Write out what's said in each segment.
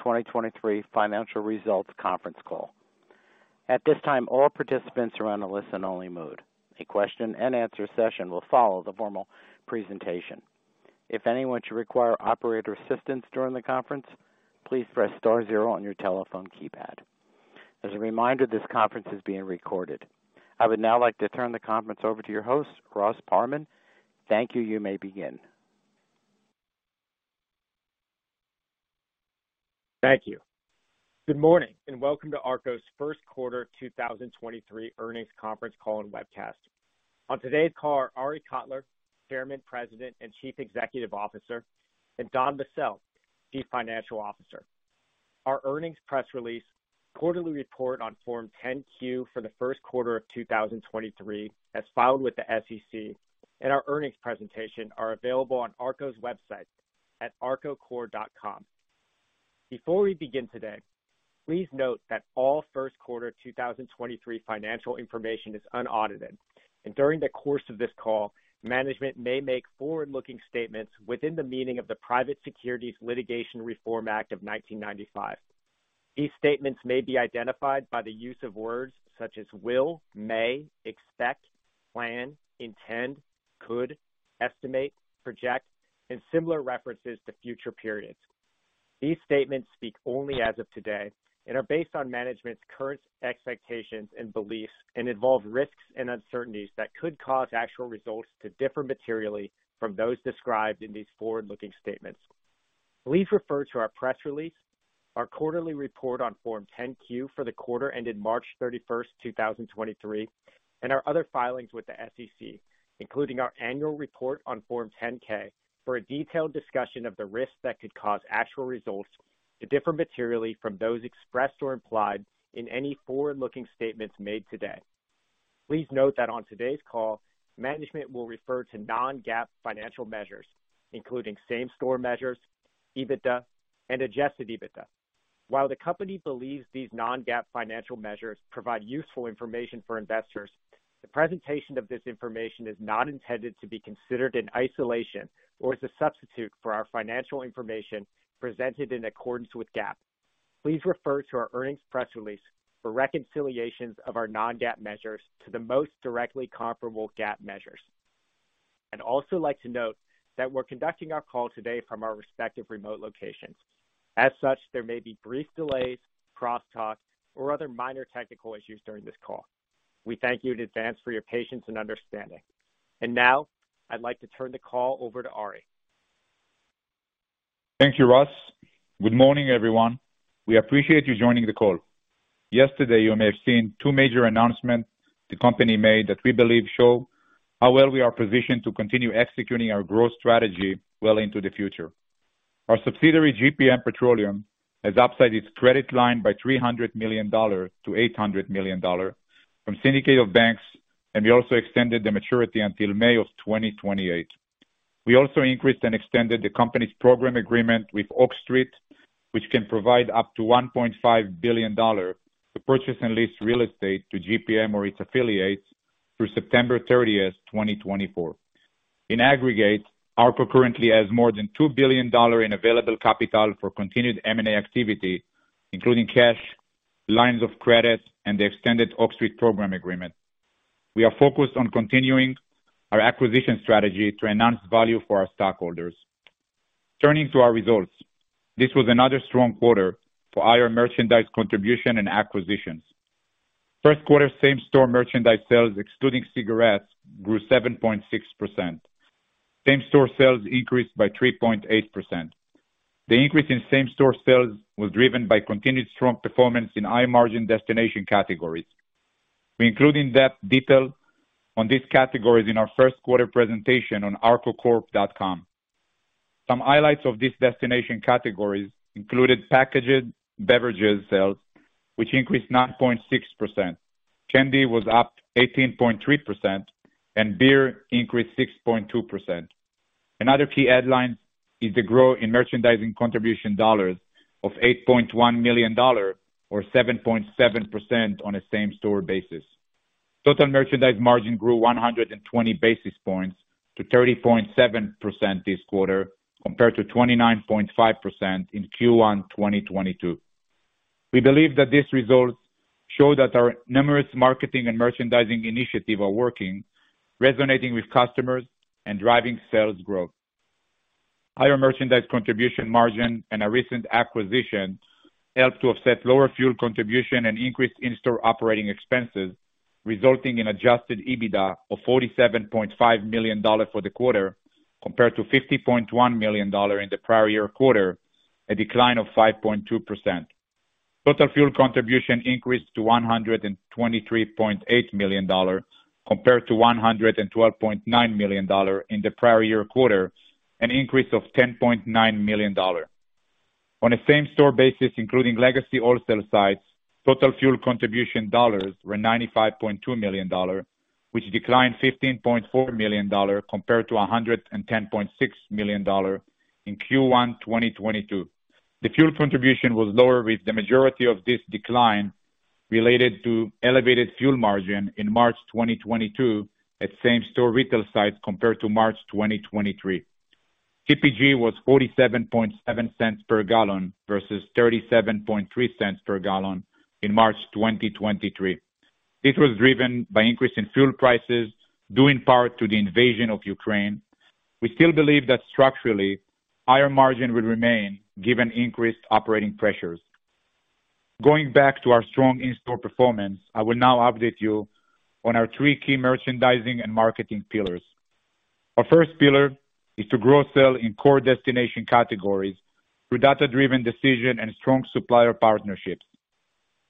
2023 financial results conference call. At this time, all participants are on a listen-only mode. A question-and-answer session will follow the formal presentation. If anyone should require operator assistance during the conference, please press star zero on your telephone keypad. As a reminder, this conference is being recorded. I would now like to turn the conference over to your host, Ross Parman. Thank you. You may begin. Thank you. Good morning and welcome to ARKO's Q1 2023 earnings conference call and webcast. On today's call are Arie Kotler, Chairman, President, and Chief Executive Officer, and Don Bassell, Chief Financial Officer. Our earnings press release, quarterly report on Form 10-Q for the Q1 of 2023, as filed with the SEC, and our earnings presentation are available on ARKO's website at arkocorp.com. Before we begin today, please note that all Q1 2023 financial information is unaudited. During the course of this call, management may make forward-looking statements within the meaning of the Private Securities Litigation Reform Act of 1995. These statements may be identified by the use of words such as will, may, expect, plan, intend, could, estimate, project, and similar references to future periods. These statements speak only as of today and are based on management's current expectations and beliefs and involve risks and uncertainties that could cause actual results to differ materially from those described in these forward-looking statements. Please refer to our press release, our quarterly report on Form 10-Q for the quarter ended March 31, 2023, and our other filings with the SEC, including our annual report on Form 10-K for a detailed discussion of the risks that could cause actual results to differ materially from those expressed or implied in any forward-looking statements made today. Please note that on today's call, management will refer to non-GAAP financial measures, including same-store measures, EBITDA, and adjusted EBITDA. While the company believes these non-GAAP financial measures provide useful information for investors, the presentation of this information is not intended to be considered in isolation or as a substitute for our financial information presented in accordance with GAAP. Please refer to our earnings press release for reconciliations of our non-GAAP measures to the most directly comparable GAAP measures. I'd also like to note that we're conducting our call today from our respective remote locations. As such, there may be brief delays, crosstalk, or other minor technical issues during this call. We thank you in advance for your patience and understanding. Now, I'd like to turn the call over to Arie. Thank you, Ross. Good morning, everyone. We appreciate you joining the call. Yesterday, you may have seen two major announcements the company made that we believe show how well we are positioned to continue executing our growth strategy well into the future. Our subsidiary, GPM Petroleum, has upside its credit line by $300 million to $800 million from syndicate of banks, and we also extended the maturity until May of 2028. We also increased and extended the company's program agreement with Oak Street, which can provide up to $1.5 billion to purchase and lease real estate to GPM or its affiliates through September 30, 2024. In aggregate, ARKO currently has more than $2 billion in available capital for continued M&A activity, including cash, lines of credit, and the extended Oak Street program agreement. We are focused on continuing our acquisition strategy to enhance value for our stockholders. Turning to our results. This was another strong quarter for higher merchandise contribution and acquisitions. Q1 same-store merchandise sales, excluding cigarettes, grew 7.6%. Same-store sales increased by 3.8%. The increase in same-store sales was driven by continued strong performance in high-margin destination categories. We include in-depth detail on these categories in our Q1 presentation on arkocorp.com. Some highlights of these destination categories included packages, beverages sales, which increased 9.6%. Candy was up 18.3%. Beer increased 6.2%. Another key headline is the growth in merchandising contribution dollars of $8.1 million or 7.7% on a same-store basis. Total merchandise margin grew 120 basis points to 30.7% this quarter, compared to 29.5% in Q1 2022. We believe that these results show that our numerous marketing and merchandising initiatives are working, resonating with customers and driving sales growth. Higher merchandise contribution margin and a recent acquisition helped to offset lower fuel contribution and increased in-store operating expenses, resulting in adjusted EBITDA of $47.5 million for the quarter, compared to $50.1 million in the prior year quarter, a decline of 5.2%. Total fuel contribution increased to $123.8 million compared to $112.9 million in the prior year quarter, an increase of $10.9 million. On a same-store basis, including legacy wholesale sites, total fuel contribution dollars were $95.2 million, which declined $15.4 million compared to $110.6 million in Q1 2022. The fuel contribution was lower, with the majority of this decline related to elevated fuel margin in March 2022 at same-store retail sites compared to March 2023. PPG was $0.477 per gallon versus $0.373 per gallon in March 2023. This was driven by increase in fuel prices due in part to the invasion of Ukraine. We still believe that structurally, higher margin will remain given increased operating pressures. Going back to our strong in-store performance, I will now update you on our three key merchandising and marketing pillars. Our first pillar is to grow sales in core destination categories through data-driven decisions and strong supplier partnerships.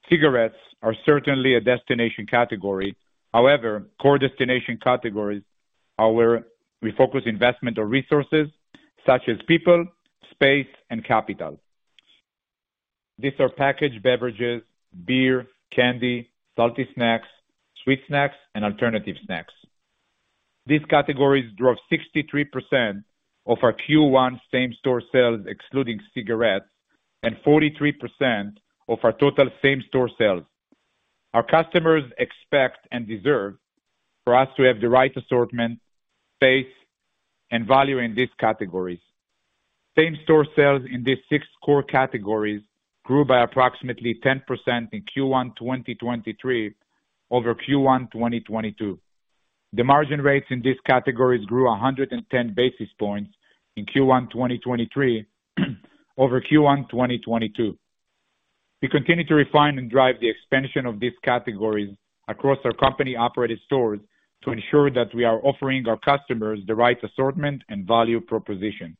Cigarettes are certainly a destination category. However, core destination categories are where we focus investment or resources such as people, space, and capital. These are packaged beverages, beer, candy, salty snacks, sweet snacks, and alternative snacks. These categories drove 63% of our Q1 same-store sales excluding cigarettes, and 43% of our total same-store sales. Our customers expect and deserve for us to have the right assortment, space, and value in these categories. Same-store sales in these six core categories grew by approximately 10% in Q1 2023 over Q1 2022. The margin rates in these categories grew 110 basis points in Q1 2023 over Q1 2022. We continue to refine and drive the expansion of these categories across our company-operated stores to ensure that we are offering our customers the right assortment and value proposition.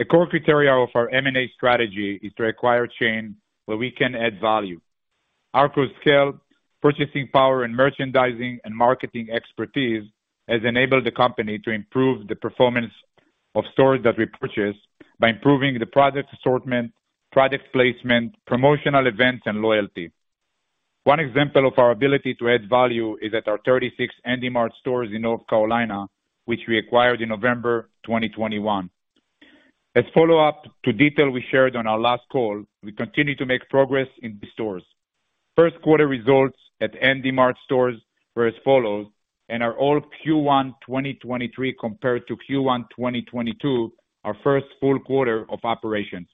A core criteria of our M&A strategy is to acquire chains where we can add value. Our core scale purchasing power and merchandising and marketing expertise has enabled the company to improve the performance of stores that we purchase by improving the product assortment, product placement, promotional events, and loyalty. One example of our ability to add value is at our 36 Handy Mart stores in North Carolina, which we acquired in November 2021. As follow-up to detail we shared on our last call, we continue to make progress in the stores. Q1 results at Handy Mart stores were as follows, are all Q1, 2023 compared to Q1, 2022, our first full quarter of operations.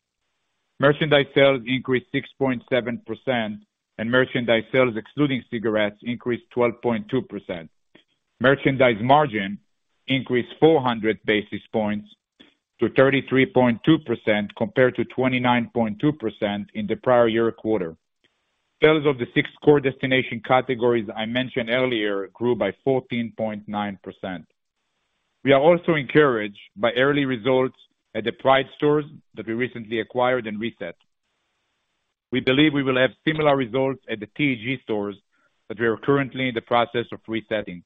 Merchandise sales increased 6.7%, and merchandise sales excluding cigarettes increased 12.2%. Merchandise margin increased 400 basis points to 33.2% compared to 29.2% in the prior year quarter. Sales of the six core destination categories I mentioned earlier grew by 14.9%. We are also encouraged by early results at the Pride stores that we recently acquired and reset. We believe we will have similar results at the TEG stores that we are currently in the process of resetting.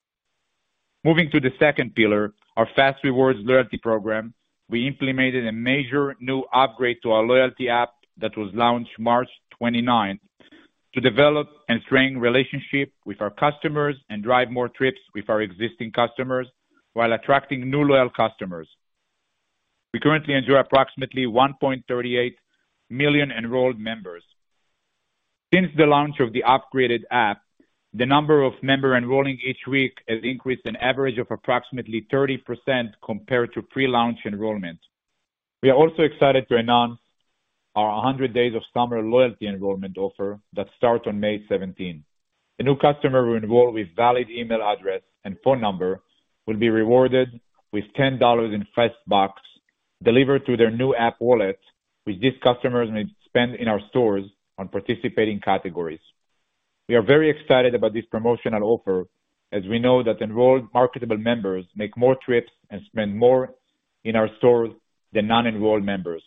Moving to the second pillar, our fas REWARDS loyalty program, we implemented a major new upgrade to our loyalty app that was launched March 29 to develop and strengthen relationship with our customers and drive more trips with our existing customers while attracting new loyal customers. We currently enjoy approximately 1.38 million enrolled members. Since the launch of the upgraded app, the number of member enrolling each week has increased an average of approximately 30% compared to pre-launch enrollment. We are also excited to announce our 100 days of summer loyalty enrollment offer that starts on May 17. A new customer who enrolls with valid email address and phone number will be rewarded with $10 in fas BUCKS delivered to their new app wallet, which these customers may spend in our stores on participating categories. We are very excited about this promotional offer as we know that enrolled marketable members make more trips and spend more in our stores than non-enrolled members.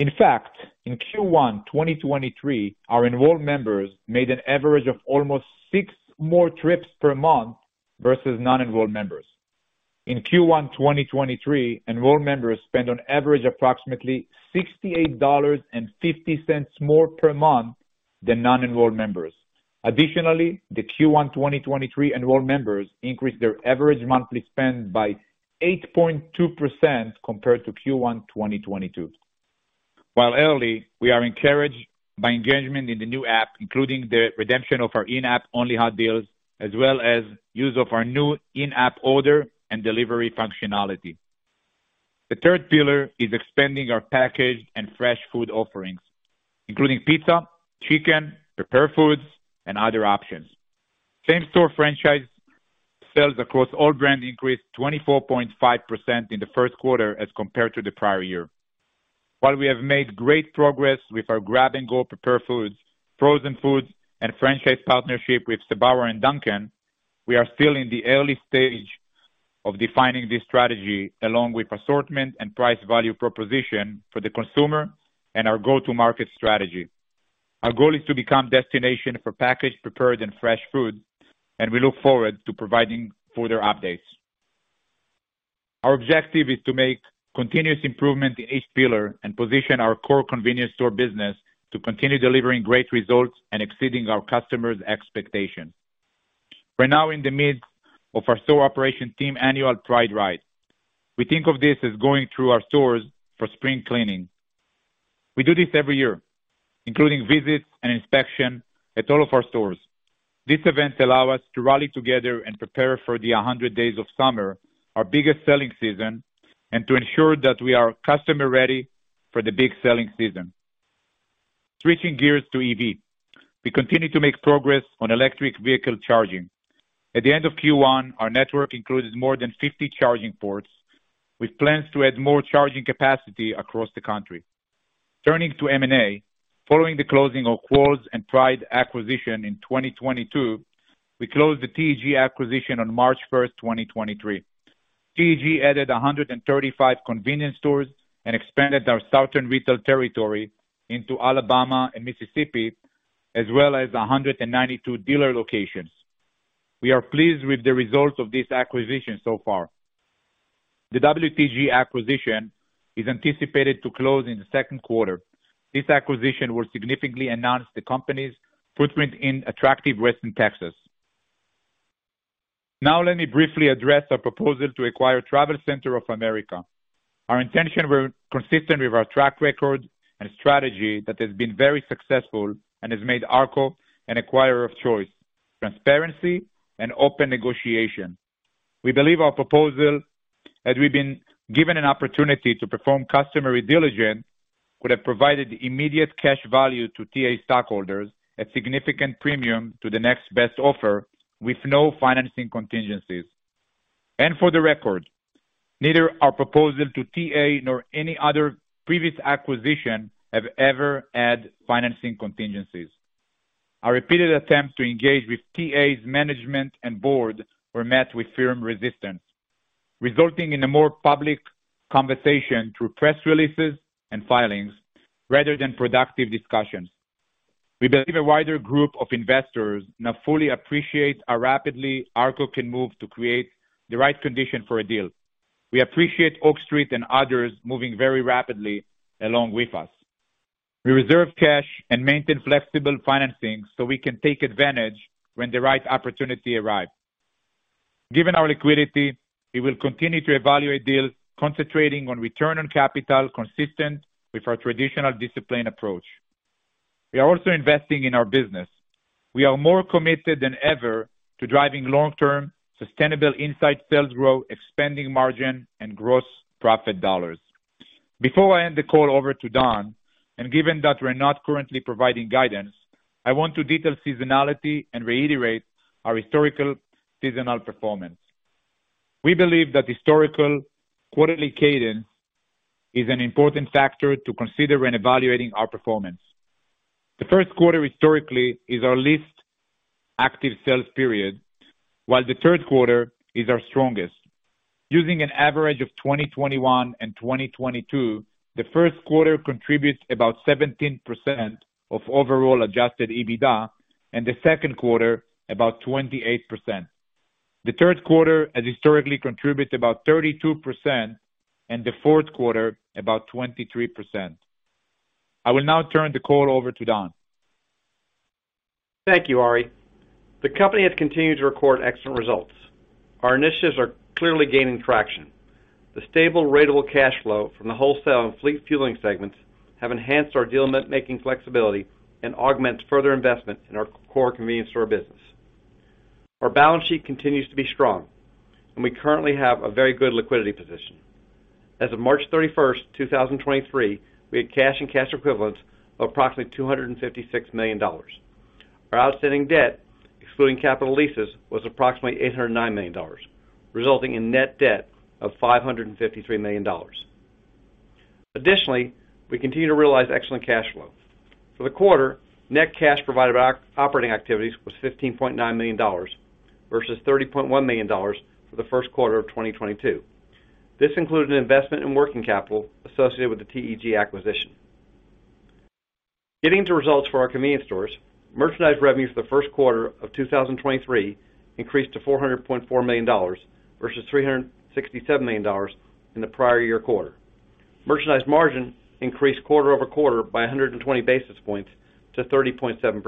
In fact, in Q1 2023, our enrolled members made an average of almost six more trips per month versus non-enrolled members. In Q1 2023, enrolled members spent on average approximately $68.50 more per month than non-enrolled members. Additionally, the Q1 2023 enrolled members increased their average monthly spend by 8.2% compared to Q1 2022. While early, we are encouraged by engagement in the new app, including the redemption of our in-app only hot deals, as well as use of our new in-app order and delivery functionality. The third pillar is expanding our packaged and fresh food offerings, including pizza, chicken, prepared foods, and other options. Same-store franchise sales across all brands increased 24.5% in the Q1 as compared to the prior year. While we have made great progress with our grab-and-go prepared foods, frozen foods, and franchise partnership with Sbarro and Dunkin', we are still in the early stage of defining this strategy along with assortment and price value proposition for the consumer and our go-to-market strategy. Our goal is to become destination for packaged, prepared, and fresh food, and we look forward to providing further updates. Our objective is to make continuous improvement in each pillar and position our core convenience store business to continue delivering great results and exceeding our customers' expectations. We're now in the midst of our store operation team annual Pride Ride. We think of this as going through our stores for spring cleaning. We do this every year, including visits and inspection at all of our stores. This event allows us to rally together and prepare for the 100 days of summer, our biggest selling season, and to ensure that we are customer-ready for the big selling season. Switching gears to EV. We continue to make progress on electric vehicle charging. At the end of Q1, our network included more than 50 charging ports, with plans to add more charging capacity across the country. Turning to M&A. Following the closing of Quarles and Pride acquisition in 2022, we closed the TEG acquisition on March 1, 2023. TEG added 135 convenience stores and expanded our southern retail territory into Alabama and Mississippi, as well as 192 dealer locations. We are pleased with the results of this acquisition so far. The WTG acquisition is anticipated to close in the Q2. This acquisition will significantly enhance the company's footprint in attractive western Texas. Let me briefly address our proposal to acquire TravelCenters of America. Our intentions were consistent with our track record and strategy that has been very successful and has made ARKO an acquirer of choice, transparency and open negotiation. We believe our proposal, had we been given an opportunity to perform customer due diligence, would have provided immediate cash value to TA stockholders at significant premium to the next best offer with no financing contingencies. For the record, neither our proposal to TA nor any other previous acquisition have ever had financing contingencies. Our repeated attempts to engage with TA's management and board were met with firm resistance, resulting in a more public conversation through press releases and filings rather than productive discussions. We believe a wider group of investors now fully appreciate how rapidly ARKO can move to create the right condition for a deal. We appreciate Oak Street and others moving very rapidly along with us. We reserve cash and maintain flexible financing so we can take advantage when the right opportunity arrives. Given our liquidity, we will continue to evaluate deals concentrating on return on capital consistent with our traditional discipline approach. We are also investing in our business. We are more committed than ever to driving long-term, sustainable inside sales growth, expanding margin, and gross profit dollars. Before I hand the call over to Don, and given that we're not currently providing guidance, I want to detail seasonality and reiterate our historical seasonal performance. We believe that historical quarterly cadence is an important factor to consider when evaluating our performance. The Q1 historically is our least active sales period, while the Q3 is our strongest. Using an average of 2021 and 2022, the Q1contributes about 17% of overall adjusted EBITDA, and the Q2, about 28%. The Q3 has historically contributed about 32%, and the Q4, about 23%. I will now turn the call over to Don. Thank you, Ari. The company has continued to record excellent results. Our initiatives are clearly gaining traction. The stable ratable cash flow from the wholesale and fleet fueling segments have enhanced our deal-making flexibility and augments further investment in our core convenience store business. Our balance sheet continues to be strong. We currently have a very good liquidity position. As of March 31, 2023, we had cash and cash equivalents of approximately $256 million. Our outstanding debt, excluding capital leases, was approximately $809 million, resulting in net debt of $553 million. We continue to realize excellent cash flow. For the quarter, net cash provided by operating activities was $15.9 million versus $30.1 million for the Q1 of 2022. This included an investment in working capital associated with the TEG acquisition. Getting to results for our convenience stores. Merchandise revenues for the Q1 of 2023 increased to $400.4 million versus $367 million in the prior year quarter. Merchandise margin increased quarter-over-quarter by 120 basis points to 30.7%.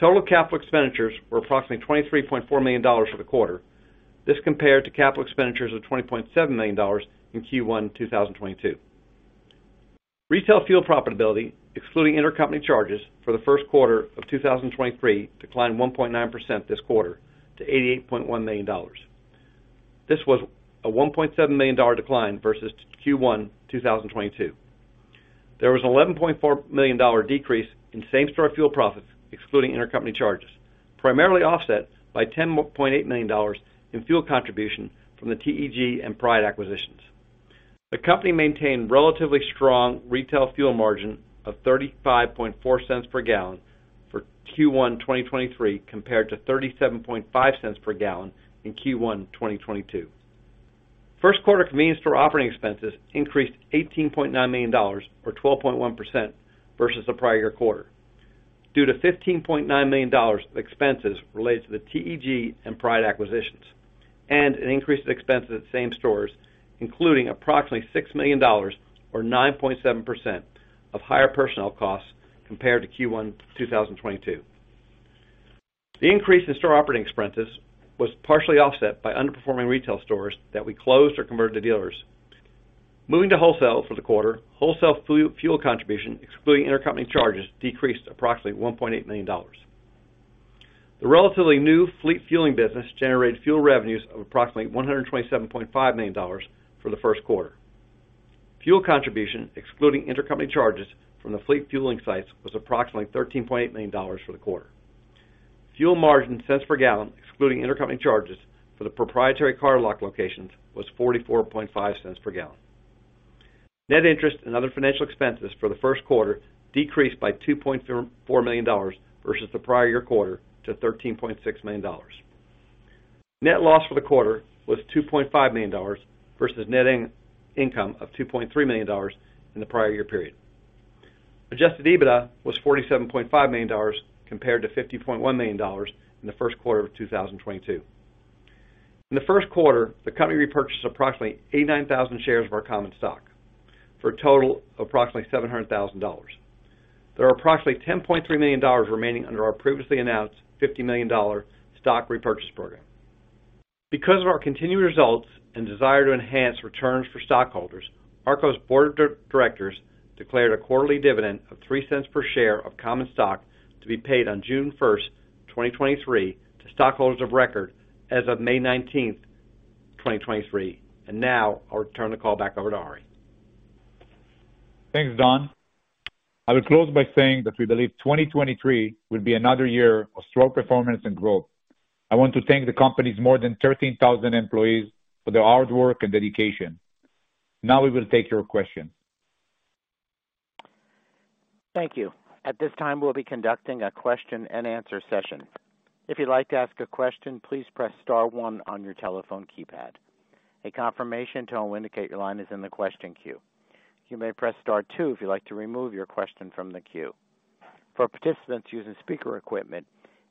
Total capital expenditures were approximately $23.4 million for the quarter. This compared to capital expenditures of $20.7 million in Q1 2022. Retail fuel profitability, excluding intercompany charges for the Q1 of 2023, declined 1.9% this quarter to $88.1 million. This was a $1.7 million decline versus Q1 2022. There was a $11.4 million decrease in same-store fuel profits, excluding intercompany charges, primarily offset by $10.8 million in fuel contribution from the TEG and Pride acquisitions. The company maintained relatively strong retail fuel margin of $0.354 per gallon for Q1 2023 compared to $0.375 per gallon in Q1 2022. Q1 convenience store operating expenses increased $18.9 million or 12.1% versus the prior year quarter due to $15.9 million of expenses related to the TEG and Pride acquisitions. An increase in expenses at same stores, including approximately $6 million or 9.7% of higher personnel costs compared to Q1 2022. The increase in store operating expenses was partially offset by underperforming retail stores that we closed or converted to dealers. Moving to wholesale for the quarter. Wholesale fuel contribution, excluding intercompany charges, decreased approximately $1.8 million. The relatively new fleet fueling business generated fuel revenues of approximately $127.5 million for the Q1. Fuel contribution, excluding intercompany charges from the fleet fueling sites, was approximately $13.8 million for the quarter. Fuel margin cents per gallon, excluding intercompany charges for the proprietary cardlock locations, was $0.445 per gallon. Net interest and other financial expenses for the Q1 decreased by $2.4 million versus the prior year quarter to $13.6 million. Net loss for the quarter was $2.5 million versus net income of $2.3 million in the prior year period. Adjusted EBITDA was $47.5 million compared to $50.1 million in the Q1 of 2022. In the Q1, the company repurchased approximately 89,000 shares of our common stock for a total of approximately $700,000. There are approximately $10.3 million remaining under our previously announced $50 million stock repurchase program. Because of our continued results and desire to enhance returns for stockholders, ARKO's board of directors declared a quarterly dividend of $0.03 per share of common stock to be paid on June 1, 2023, to stockholders of record as of May 19, 2023. Now I'll turn the call back over to Arie. Thanks, Don. I will close by saying that we believe 2023 will be another year of strong performance and growth. I want to thank the company's more than 13,000 employees for their hard work and dedication. We will take your questions. Thank you. At this time, we'll be conducting a question and answer session. If you'd like to ask a question, please press star one on your telephone keypad. A confirmation tone will indicate your line is in the question queue. You may press star two if you'd like to remove your question from the queue. For participants using speaker equipment,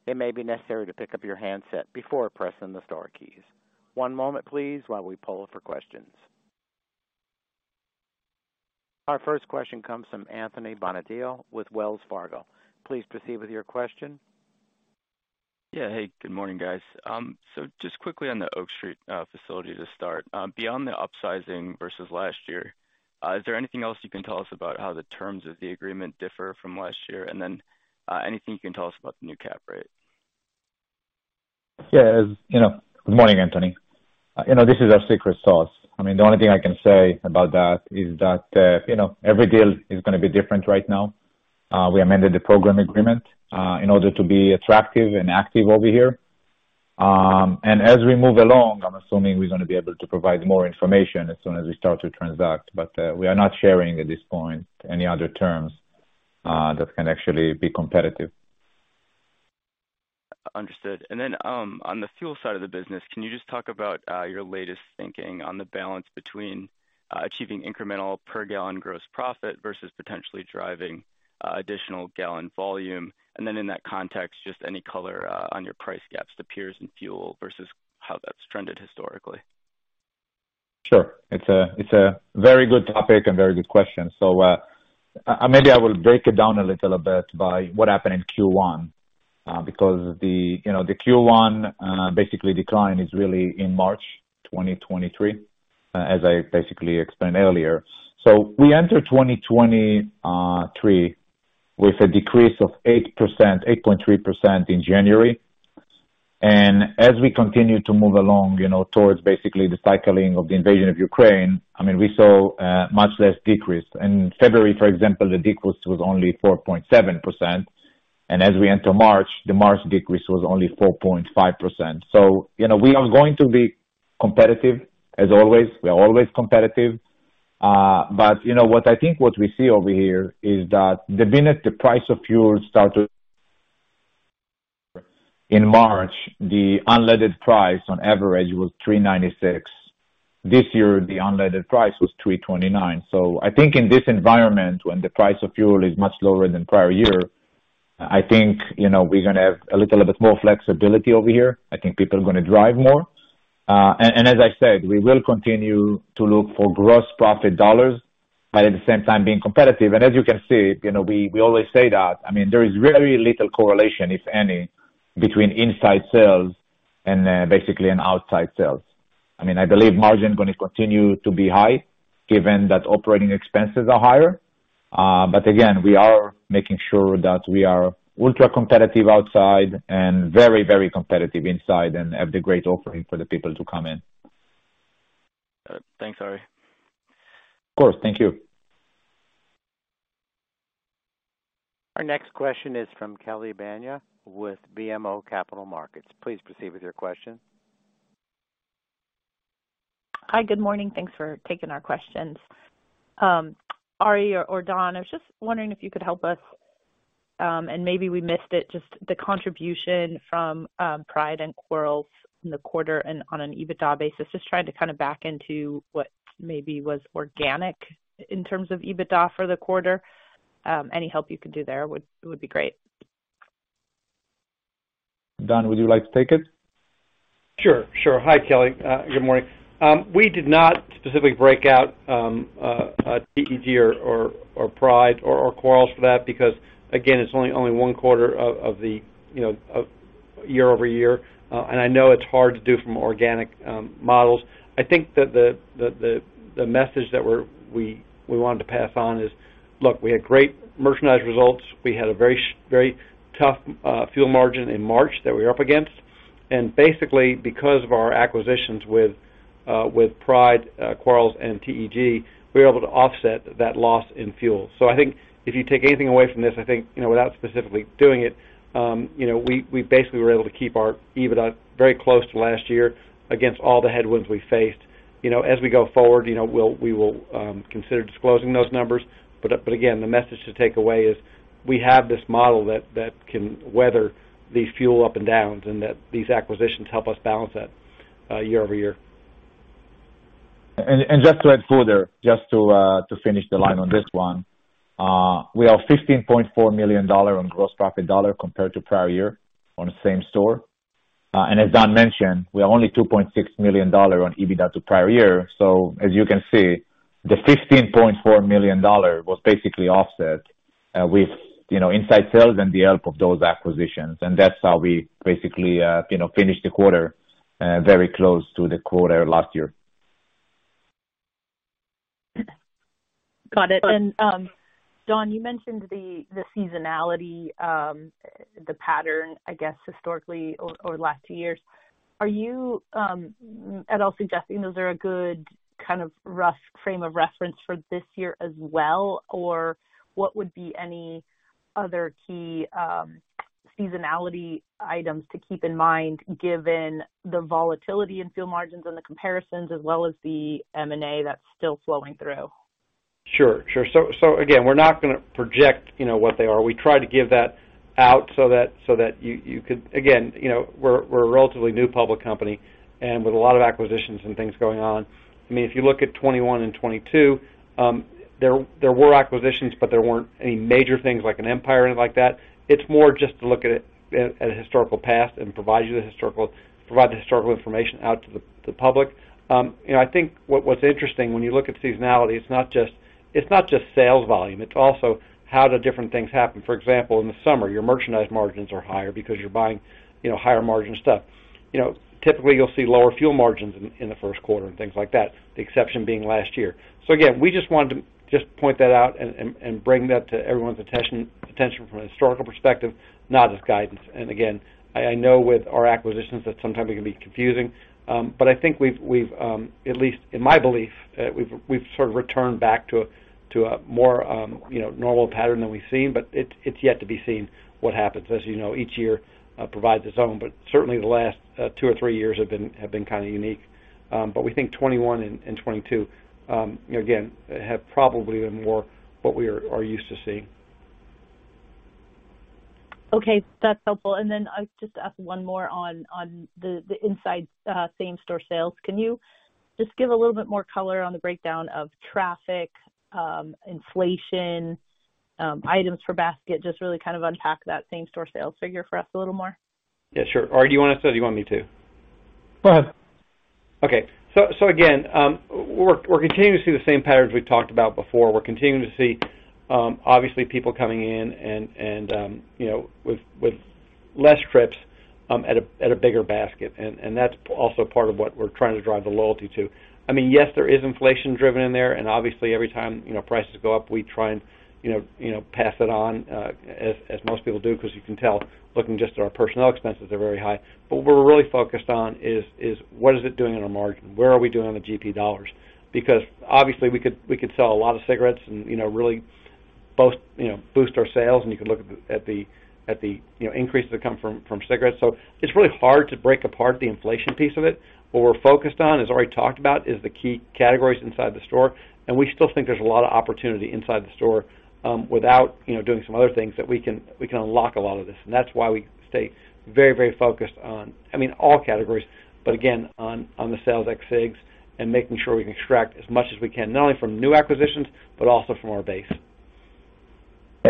it may be necessary to pick up your handset before pressing the star keys. One moment please while we poll for questions. Our first question comes from Anthony Bonadio with Wells Fargo. Please proceed with your question. Yeah. Hey, good morning, guys. Just quickly on the Oak Street facility to start. Beyond the upsizing versus last year, is there anything else you can tell us about how the terms of the agreement differ from last year? Anything you can tell us about the new cap rate? Yeah. You know. Good morning, Anthony. You know, this is our secret sauce. I mean, the only thing I can say about that is that, you know, every deal is gonna be different right now. We amended the program agreement, in order to be attractive and active over here. As we move along, I'm assuming we're gonna be able to provide more information as soon as we start to transact. We are not sharing at this point any other terms, that can actually be competitive. Understood. On the fuel side of the business, can you just talk about your latest thinking on the balance between achieving incremental per gallon gross profit versus potentially driving additional gallon volume? In that context, just any color on your price gaps to peers and fuel versus how that's trended historically. Sure. It's a very good topic and very good question. Maybe I will break it down a little bit by what happened in Q1, because the, you know, the Q1 basically decline is really in March 2023, as I basically explained earlier. We enter 2023 with a decrease of 8%, 8.3% in January. As we continue to move along, you know, towards basically the cycling of the invasion of Ukraine, I mean, we saw much less decrease. In February, for example, the decrease was only 4.7%, and as we enter March, the March decrease was only 4.5%. You know, we are going to be competitive as always. We are always competitive. You know what? I think what we see over here is that the minute the price of fuel started, in March, the unleaded price on average was $3.96. This year, the unleaded price was $3.29. I think in this environment, when the price of fuel is much lower than prior year, I think, you know, we're gonna have a little bit more flexibility over here. I think people are gonna drive more. As I said, we will continue to look for gross profit dollars, but at the same time being competitive. As you can see, you know, we always say that, I mean, there is very little correlation, if any, between inside sales and basically an outside sales. I mean, I believe margin gonna continue to be high given that operating expenses are higher. Again, we are making sure that we are ultra-competitive outside and very competitive inside and have the great offering for the people to come in. Thanks, Arie. Of course. Thank you. Our next question is from Kelly Bania with BMO Capital Markets. Please proceed with your question. Hi. Good morning. Thanks for taking our questions. Arie or Don, I was just wondering if you could help us, and maybe we missed it, just the contribution from Pride and Quarles in the quarter and on an EBITDA basis, just trying to kind of back into what maybe was organic in terms of EBITDA for the quarter. Any help you could do there would be great. Don, would you like to take it? Sure, sure. Hi, Kelly. Good morning. We did not specifically break out TEG or Pride or Quarles for that because, again, it's only one quarter of the, you know, of year-over-year. I know it's hard to do from organic models. I think that the message that we wanted to pass on is, look, we had great merchandise results. We had a very tough fuel margin in March that we're up against. Basically, because of our acquisitions with Pride, Quarles and TEG, we were able to offset that loss in fuel. I think if you take anything away from this, I think, you know, without specifically doing it, you know, we basically were able to keep our EBITDA very close to last year against all the headwinds we faced. You know, as we go forward, you know, we'll, we will consider disclosing those numbers. Again, the message to take away is we have this model that can weather these fuel up and downs and that these acquisitions help us balance that year over year. Just to add further, just to finish the line on this one, we are $15.4 million on gross profit dollar compared to prior year on the same-store. As Don mentioned, we are only $2.6 million on EBITDA to prior year. As you can see, the $15.4 million was basically offset, with, you know, inside sales and the help of those acquisitions. That's how we basically, you know, finished the quarter, very close to the quarter last year. Got it. Don, you mentioned the seasonality, the pattern, I guess, historically over the last two years. Are you at all suggesting those are a good kind of rough frame of reference for this year as well? What would be any other key seasonality items to keep in mind given the volatility in fuel margins and the comparisons as well as the M&A that's still flowing through? Sure. Sure. Again, we're not gonna project, you know, what they are. We try to give that out so that you could. Again, you know, we're a relatively new public company and with a lot of acquisitions and things going on. I mean, if you look at 2021 and 2022, there were acquisitions, but there weren't any major things like an Empire or anything like that. It's more just to look at a historical past and provide you the historical information out to the public. You know, I think what's interesting when you look at seasonality, it's not just sales volume, it's also how do different things happen. For example, in the summer, your merchandise margins are higher because you're buying, you know, higher margin stuff. You know, typically you'll see lower fuel margins in the Q1 and things like that, the exception being last year. Again, we just wanted to just point that out and, and bring that to everyone's attention from a historical perspective, not as guidance. Again, I know with our acquisitions that sometimes it can be confusing. I think we've, at least in my belief, we've sort of returned back to a, to a more, you know, normal pattern than we've seen. It, it's yet to be seen what happens. As you know, each year provides its own, but certainly the last two or three years have been kinda unique. We think 21 and 22, you know, again, have probably been more what we are used to seeing. Okay, that's helpful. I'll just ask one more on the inside same-store sales. Can you just give a little bit more color on the breakdown of traffic, inflation, items for basket? Just really kind of unpack that same-store sales figure for us a little more. Yeah, sure. Arie, do you wanna say it or do you want me to? Go ahead. Okay. Again, we're continuing to see the same patterns we talked about before. We're continuing to see, obviously people coming in and, you know, with less trips, at a bigger basket, and that's also part of what we're trying to drive the loyalty to. I mean, yes, there is inflation driven in there, and obviously every time, you know, prices go up, we try and, you know, pass it on, as most people do, because you can tell looking just at our personnel expenses are very high. What we're really focused on is what is it doing in our margin? Where are we doing on the GP dollars? Obviously we could sell a lot of cigarettes and, you know, really both, you know, boost our sales and you could look at the, you know, increases that come from cigarettes. It's really hard to break apart the inflation piece of it. What we're focused on, as Arie talked about, is the key categories inside the store, and we still think there's a lot of opportunity inside the store, without, you know, doing some other things that we can unlock a lot of this. That's why we stay very focused on, I mean, all categories, but again, on the sales at cigs and making sure we can extract as much as we can, not only from new acquisitions, but also from our base.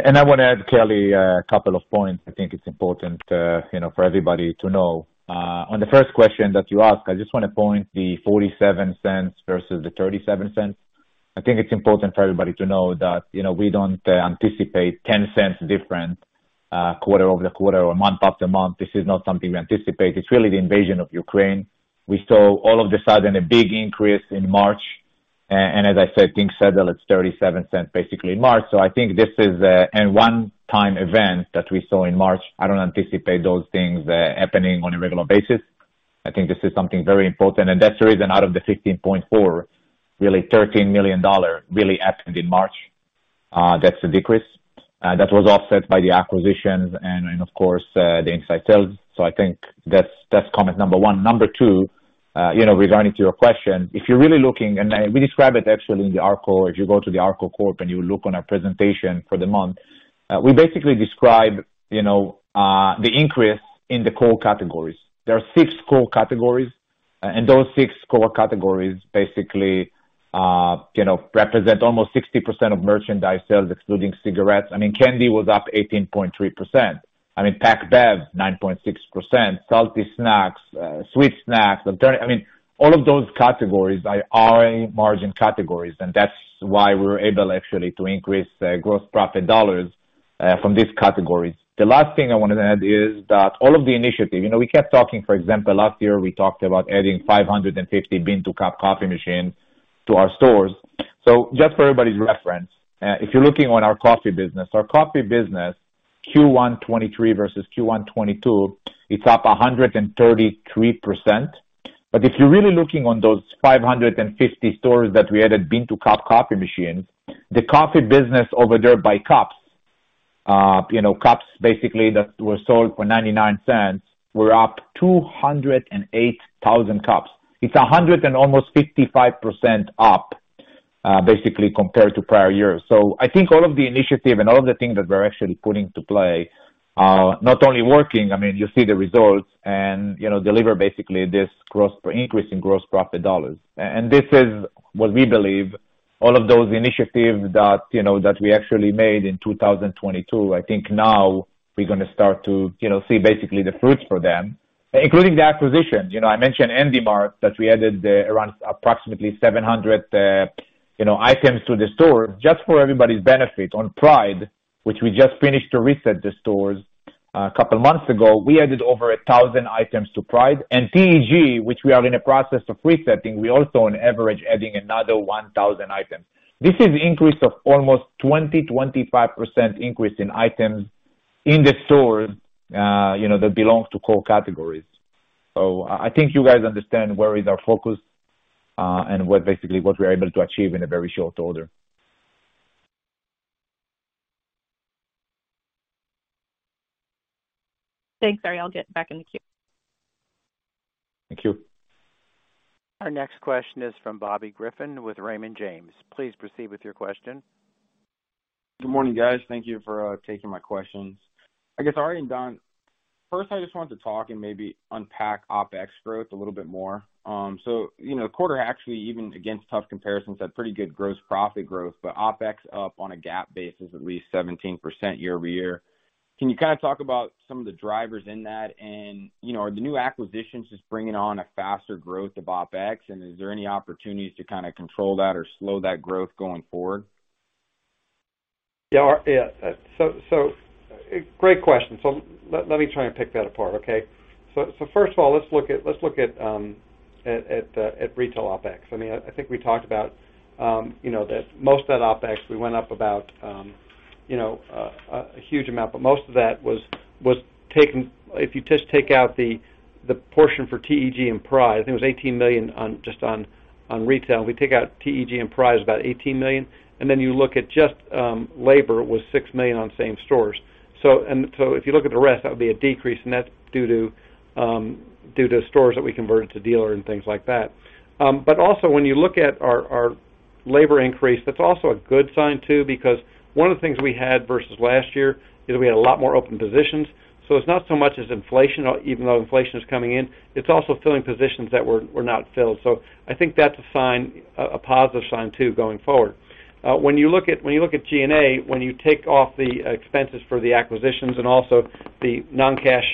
I wanna add, Kelly, a couple of points. I think it's important, you know, for everybody to know. On the first question that you asked, I just wanna point the $0.47 versus the $0.37. I think it's important for everybody to know that, you know, we don't anticipate $0.10 difference, quarter-over-quarter or month after month. This is not something we anticipate. It's really the invasion of Ukraine. We saw all of a sudden a big increase in March. As I said, things settle, it's $0.37 basically in March. I think this is a one time event that we saw in March. I don't anticipate those things happening on a regular basis. I think this is something very important. That's the reason out of the 15.4, really $13 million really happened in March. That's the decrease. That was offset by the acquisitions and of course, the inside sales. I think that's comment number one. Number two, you know, regarding to your question, if you're really looking, we describe it actually in the ARKO. If you go to the ARKO Corp and you look on our presentation for the month, we basically describe, you know, the increase in the core categories. There are six core categories. Those six core categories basically, you know, represent almost 60% of merchandise sales excluding cigarettes. I mean, candy was up 18.3%. I mean, pack bev, 9.6%, salty snacks, sweet snacks. I'm trying. I mean, all of those categories are margin categories, and that's why we're able actually to increase the gross profit dollars from these categories. The last thing I wanted to add is that all of the initiatives. You know, we kept talking, for example, last year, we talked about adding 550 bean-to-cup coffee machines to our stores. Just for everybody's reference, if you're looking on our coffee business, our coffee business, Q1 2023 versus Q1 2022, it's up 133%. If you're really looking on those 550 stores that we added bean-to-cup coffee machines, the coffee business over there by cups, you know, cups basically that were sold for $0.99 were up 208,000 cups. It's almost 155% up, basically compared to prior years. I think all of the initiative and all of the things that we're actually putting to play are not only working, I mean, you see the results and, you know, deliver basically this gross increase in gross profit dollars. This is what we believe all of those initiatives that, you know, that we actually made in 2022, I think now we're gonna start to, you know, see basically the fruits for them, including the acquisitions. You know, I mentioned Handy Mart, that we added, around approximately 700, you know, items to the store. Just for everybody's benefit, on Pride, which we just finished to reset the stores a couple months ago, we added over 1,000 items to Pride. TEG, which we are in the process of resetting, we're also on average adding another 1,000 items. This is increase of almost 20%, 25% increase in items in the store, you know, that belongs to core categories. I think you guys understand where is our focus, and what basically what we're able to achieve in a very short order. Thanks, Arie. I'll get back in the queue. Thank you. Our next question is from Bobby Griffin with Raymond James. Please proceed with your question. Good morning, guys. Thank you for, taking my questions. I guess, Arie and Don, first, I just wanted to talk and maybe unpack OpEx growth a little bit more. You know, quarter actually, even against tough comparisons, had pretty good gross profit growth, but OpEx up on a GAAP basis at least 17% year-over-year. Can you kinda talk about some of the drivers in that? You know, are the new acquisitions just bringing on a faster growth of OpEx? Is there any opportunities to kinda control that or slow that growth going forward? Yeah. So great question. Let me try and pick that apart, okay. So first of all, let's look at at retail OpEx. I mean, I think we talked about, you know, that most of that OpEx, we went up about, you know, a huge amount, but most of that was taken. If you just take out the portion for TEG and Pride, I think it was $18 million on retail. If we take out TEG and Pride, it's about $18 million, and then you look at just labor was $6 million on same-store. If you look at the rest, that would be a decrease, and that's due to due to stores that we converted to dealer and things like that. Also when you look at our labor increase, that's also a good sign too, because one of the things we had versus last year is we had a lot more open positions. It's not so much as inflation, even though inflation is coming in, it's also filling positions that were not filled. I think that's a sign, a positive sign too going forward. When you look at G&A, when you take off the expenses for the acquisitions and also the non-cash,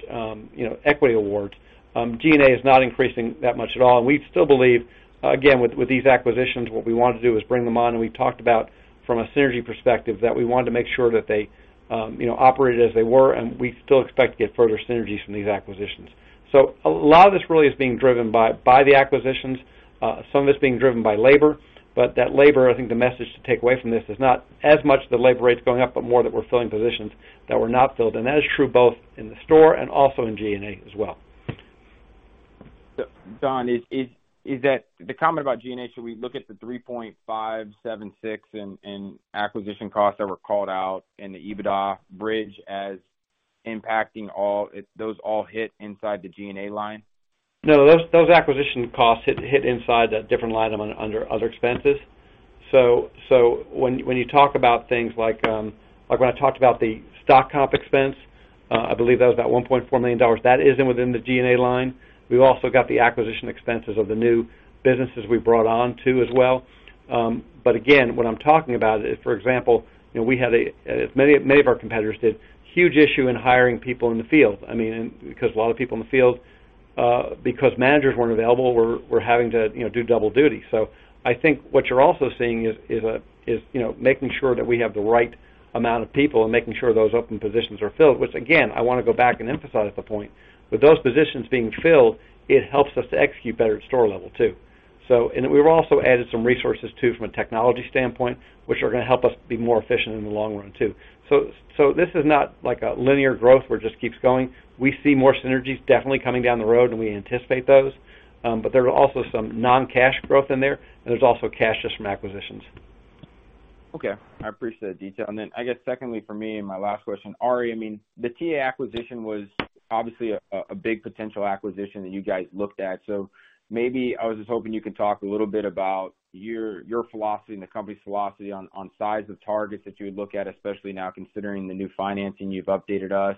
you know, equity awards, G&A is not increasing that much at all. We still believe, again, with these acquisitions, what we want to do is bring them on. We talked about from a synergy perspective that we wanted to make sure that they, you know, operated as they were, and we still expect to get further synergies from these acquisitions. A lot of this really is being driven by the acquisitions, some of it's being driven by labor. That labor, I think the message to take away from this is not as much the labor rates going up, but more that we're filling positions that were not filled. That is true both in the store and also in G&A as well. Don, is that the comment about G&A, should we look at the $3.576 in acquisition costs that were called out in the EBITDA bridge as impacting all, those all hit inside the G&A line? No. Those acquisition costs hit inside the different line item under other expenses. When you talk about things like when I talked about the stock comp expense, I believe that was about $1.4 million. That is within the G&A line. We've also got the acquisition expenses of the new businesses we brought on too as well. Again, what I'm talking about is, for example, you know, we had a, as many of our competitors did, huge issue in hiring people in the field. I mean, because a lot of people in the field, because managers weren't available, were having to, you know, do double duty. I think what you're also seeing is you know, making sure that we have the right amount of people and making sure those open positions are filled. Which again, I wanna go back and emphasize the point, with those positions being filled, it helps us to execute better at store level too. And we've also added some resources too from a technology standpoint, which are gonna help us be more efficient in the long run too. This is not like a linear growth where it just keeps going. We see more synergies definitely coming down the road and we anticipate those. There are also some non-cash growth in there and there's also cash just from acquisitions. Okay. I appreciate the detail. I guess secondly for me and my last question, Arie, I mean, the TA acquisition was obviously a big potential acquisition that you guys looked at. Maybe I was just hoping you could talk a little bit about your philosophy and the company's philosophy on size of targets that you would look at, especially now considering the new financing you've updated us.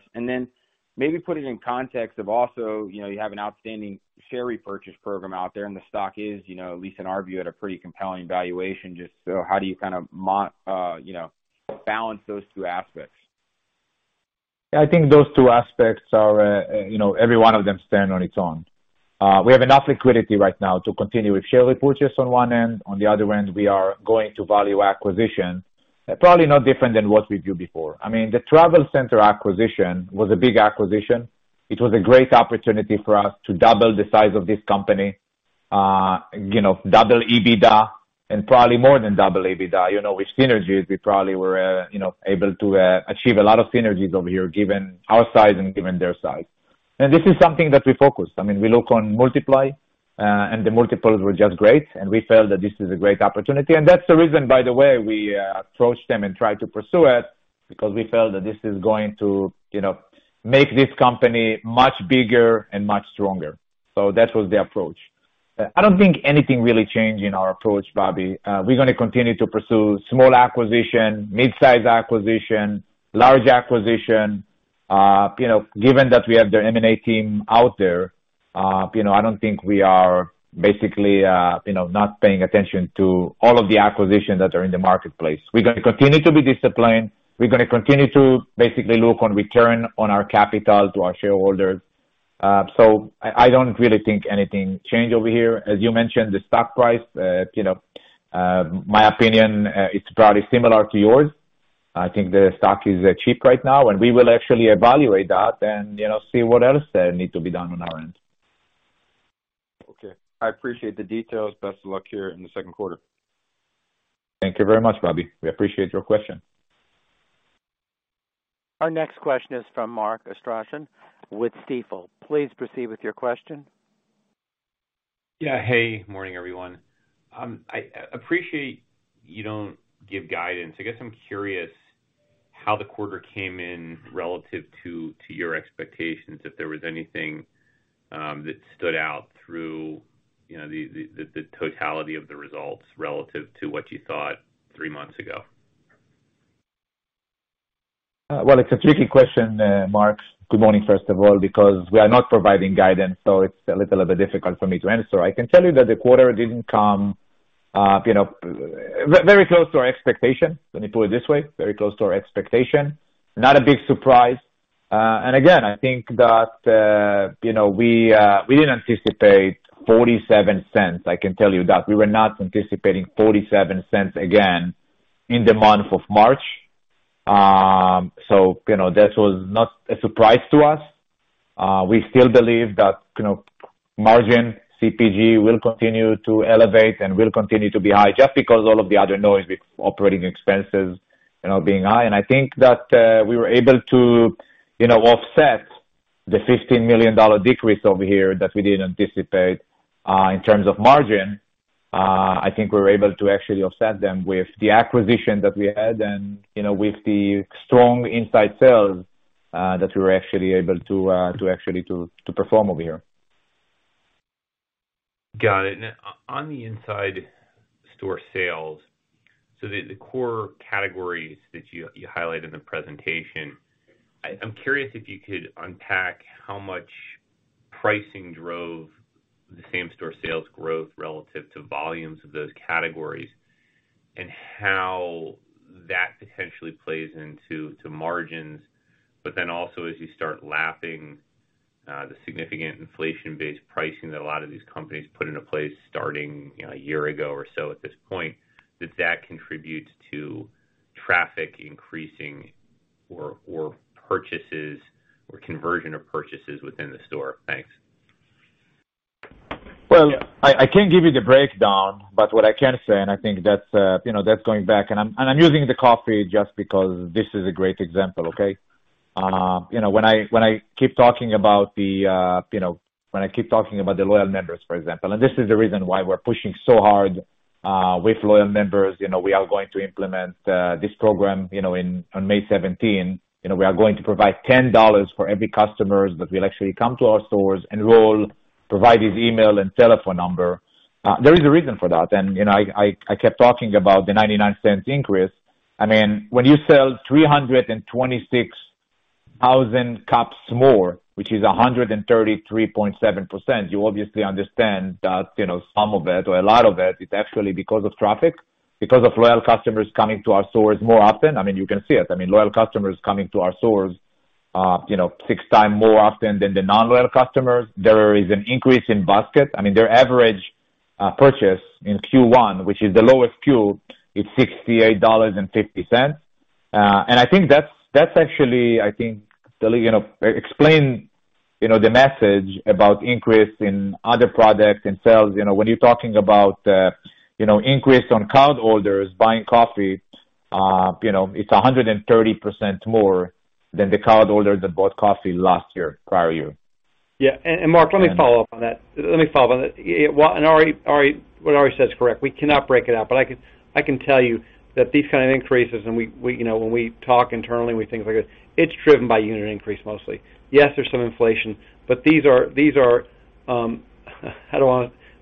Maybe put it in context of also, you know, you have an outstanding share repurchase program out there, and the stock is, you know, at least in our view, at a pretty compelling valuation. How do you kind of, you know, balance those two aspects? I think those two aspects are, you know, every one of them stand on its own. We have enough liquidity right now to continue with share repurchase on one end. On the other end, we are going to value acquisition. Probably no different than what we do before. I mean, the travel center acquisition was a big acquisition. It was a great opportunity for us to double the size of this company, you know, double EBITDA and probably more than double EBITDA. You know, with synergies, we probably were, you know, able to achieve a lot of synergies over here, given our size and given their size. This is something that we focus. I mean, we look on multiply, and the multiples were just great, and we felt that this is a great opportunity. That's the reason, by the way, we approached them and tried to pursue it because we felt that this is going to, you know, make this company much bigger and much stronger. That was the approach. I don't think anything really changed in our approach, Bobby. We're gonna continue to pursue small acquisition, mid-size acquisition, large acquisition. You know, given that we have the M&A team out there, you know, I don't think we are basically, you know, not paying attention to all of the acquisitions that are in the marketplace. We're gonna continue to be disciplined. We're gonna continue to basically look on return on our capital to our shareholders. I don't really think anything changed over here. As you mentioned, the stock price, you know, my opinion, it's probably similar to yours. I think the stock is cheap right now, and we will actually evaluate that and, you know, see what else needs to be done on our end. Okay. I appreciate the details. Best of luck here in the Q2. Thank you very much, Bobby. We appreciate your question. Our next question is from Mark Astrachan with Stifel. Please proceed with your question. Yeah. Hey, morning, everyone. I appreciate you don't give guidance. I guess I'm curious how the quarter came in relative to your expectations, if there was anything that stood out through, you know, the totality of the results relative to what you thought three months ago? Well, it's a tricky question, Mark, good morning, first of all, because we are not providing guidance, so it's a little bit difficult for me to answer. I can tell you that the quarter didn't come, you know, very close to our expectation, let me put it this way, very close to our expectation. Not a big surprise. Again, I think that, you know, we didn't anticipate $0.47. I can tell you that. We were not anticipating $0.47 again in the month of March. You know, that was not a surprise to us. We still believe that, you know, margin CPG will continue to elevate and will continue to be high just because all of the other noise with operating expenses, you know, being high. I think that, we were able to, you know, offset the $15 million decrease over here that we didn't anticipate, in terms of margin. I think we were able to actually offset them with the acquisition that we had and, you know, with the strong inside sales, that we were actually able to actually perform over here. Got it. On the inside store sales, the core categories that you highlight in the presentation, I'm curious if you could unpack how much pricing drove the same-store sales growth relative to volumes of those categories and how that potentially plays into margins. Also, as you start lapping the significant inflation-based pricing that a lot of these companies put into place starting, you know, a year ago or so at this point, does that contribute to traffic increasing or purchases or conversion of purchases within the store? Thanks. Well, I can't give you the breakdown, but what I can say, and I think that's, you know, that's going back, and I'm, and I'm using the coffee just because this is a great example, okay? You know, when I, when I keep talking about the, you know, when I keep talking about the loyal members, for example, and this is the reason why we're pushing so hard, with loyal members. You know, we are going to implement this program, you know, on May 17. You know, we are going to provide $10 for every customer that will actually come to our stores, enroll, provide his email and telephone number. There is a reason for that. You know, I, I kept talking about the $0.99 increase. I mean, when you sell 326,000 cups more, which is 133.7%, you obviously understand that, you know, some of it or a lot of it is actually because of traffic, because of loyal customers coming to our stores more often. I mean, you can see it. I mean, loyal customers coming to our stores, you know, 6x more often than the non-loyal customers. There is an increase in basket. I mean, their average purchase in Q1, which is the lowest Q, is $68.50. I think that's actually, I think, you know, explain, you know, the message about increase in other products and sales. You know, when you're talking about, you know, increase on cardholders buying coffee, you know, it's 130% more than the cardholders that bought coffee last year, prior year. Yeah. Mark, let me follow up on that. Let me follow on that. Arie, What Arie said is correct. We cannot break it out. I can tell you that these kind of increases, and we, you know, when we talk internally, we think like it's driven by unit increase mostly. Yes, there's some inflation, but these are-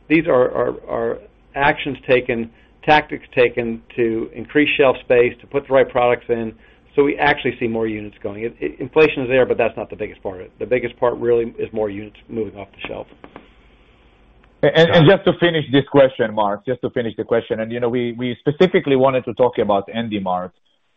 These are actions taken, tactics taken to increase shelf space, to put the right products in so we actually see more units going. Inflation is there, but that's not the biggest part of it. The biggest part really is more units moving off the shelf. Just to finish this question, Mark. Just to finish the question. You know, we specifically wanted to talk about Handy Mart.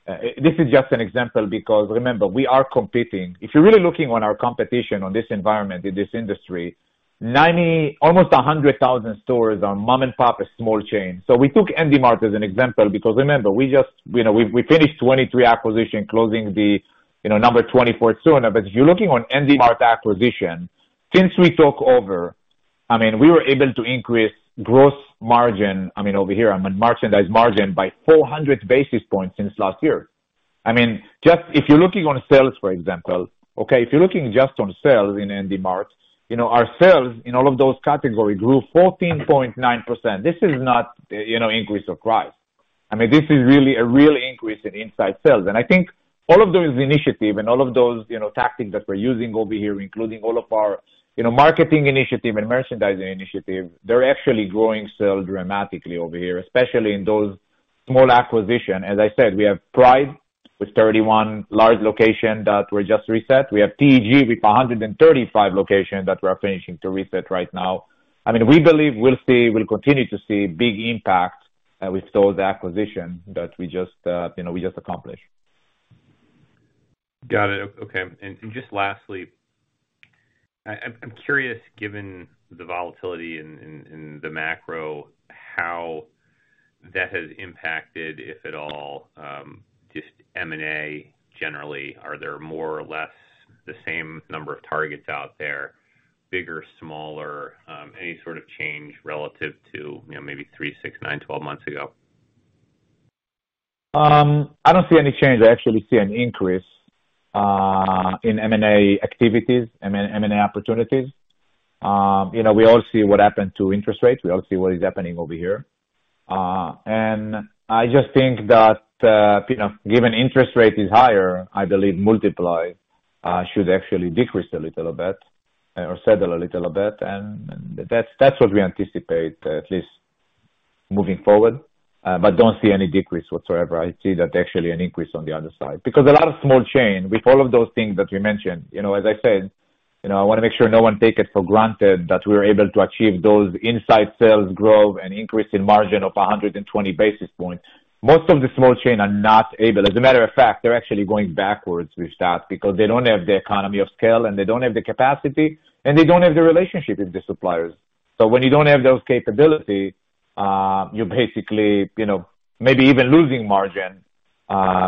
This is just an example because remember, we are competing. If you're really looking on our competition on this environment, in this industry, almost 100,000 stores are mom-and-pop small chains. We took Handy Mart as an example because remember, we just, you know, we finished 23 acquisition, closing the, you know, number 24 sooner. If you're looking on Handy Mart acquisition, since we took over, I mean, we were able to increase gross margin, I mean, over here, I mean, merchandise margin by 400 basis points since last year. I mean, just. if you're looking on sales, for example, okay, if you're looking just on sales in Handy Mart, you know, our sales in all of those categories grew 14.9%. This is not, you know, increase of price. I mean, this is really a real increase in inside sales. I think all of those initiative and all of those, you know, tactics that we're using over here, including all of our, you know, marketing initiative and merchandising initiative, they're actually growing sales dramatically over here, especially in those small acquisition. As I said, we have Pride with 31 large location that we just reset. We have TEG with 135 locations that we're finishing to reset right now. I mean, we believe we'll continue to see big impact with those acquisition that we just, you know, we just accomplished. Got it. Okay. Just lastly, I'm curious, given the volatility in the macro, how that has impacted, if at all, just M&A generally. Are there more or less the same number of targets out there? Bigger, smaller, any sort of change relative to, you know, maybe three, six, nine, 12 months ago? I don't see any change. I actually see an increase in M&A activities and M&A opportunities. You know, we all see what happened to interest rates. We all see what is happening over here. I just think that, you know, given interest rate is higher, I believe multiply should actually decrease a little bit or settle a little bit. That's what we anticipate, at least moving forward, but don't see any decrease whatsoever. I see that actually an increase on the other side. A lot of small chain, with all of those things that you mentioned, you know, as I said, you know, I wanna make sure no one take it for granted that we're able to achieve those inside sales growth and increase in margin of 120 basis points. Most of the small chain are not able. As a matter of fact, they're actually going backwards with that because they don't have the economy of scale, and they don't have the capacity, and they don't have the relationship with the suppliers. When you don't have those capability, you basically, you know, maybe even losing margin,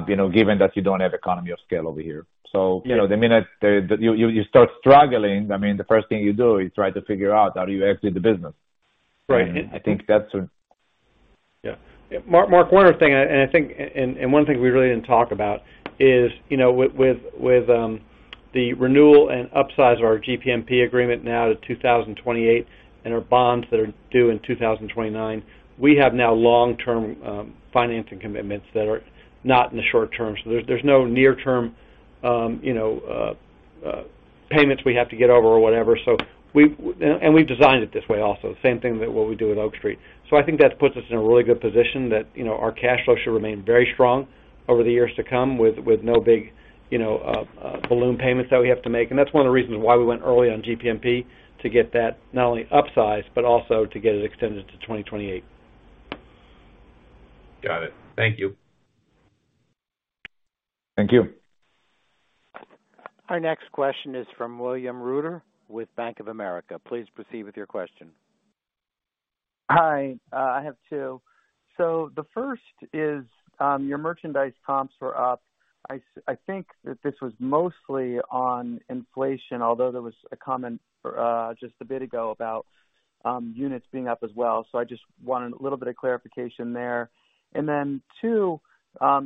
you know, given that you don't have economy of scale over here. The minute you start struggling, I mean, the first thing you do is try to figure out how do you exit the business. Right. I think that's. Yeah. Mark, one other thing, and one thing we really didn't talk about is, you know, with the renewal and upsize of our GPMP agreement now to 2028 and our bonds that are due in 2029, we have now long-term financing commitments that are not in the short term. So there's no near-term, you know, payments we have to get over or whatever. We designed it this way also. Same thing that what we do at Oak Street. I think that puts us in a really good position that, you know, our cash flow should remain very strong over the years to come with no big, you know, balloon payments that we have to make. That's one of the reasons why we went early on GPMP to get that not only upsized, but also to get it extended to 2028. Got it. Thank you. Thank you. Our next question is from William Reuter with Bank of America. Please proceed with your question. Hi. I have two. The first is, your merchandise comps were up. I think that this was mostly on inflation, although there was a comment just a bit ago about units being up as well. I just wanted a little bit of clarification there. Two,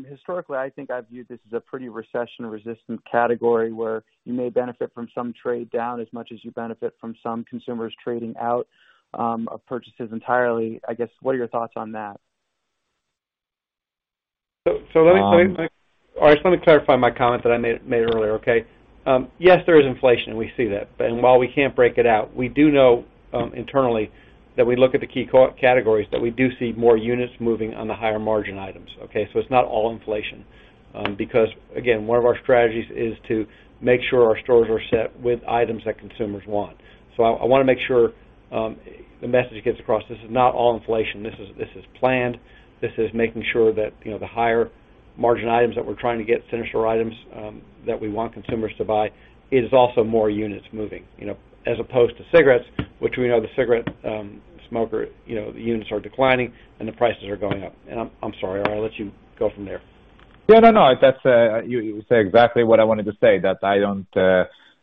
historically, I think I've viewed this as a pretty recession-resistant category where you may benefit from some trade down as much as you benefit from some consumers trading out of purchases entirely. I guess, what are your thoughts on that? All right. Let me clarify my comment that I made earlier, okay. Yes, there is inflation. We see that. While we can't break it out, we do know internally that we look at the key categories that we do see more units moving on the higher margin items, okay. It's not all inflation, because again, one of our strategies is to make sure our stores are set with items that consumers want. I wanna make sure the message gets across. This is not all inflation. This is planned. This is making sure that, you know, the higher margin items that we're trying to get, finisher items, that we want consumers to buy is also more units moving, you know. As opposed to cigarettes, which we know the cigarette, smoker, you know, the units are declining and the prices are going up. I'm sorry. I'll let you go from there. Yeah. No, no. That's, you say exactly what I wanted to say, that I don't.